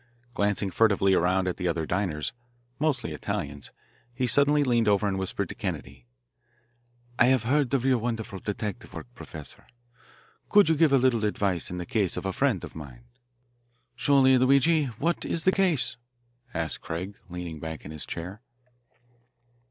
Glancing furtively around at the other diners, mostly Italians, he suddenly leaned over and whispered to Kennedy: "I have heard of your wonderful detective work, Professor. Could you give a little advice in the case of a friend of mine?" "Surely, Luigi. What is the case?" asked Craig, leaning back in his chair.